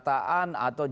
atau gesture dari bumega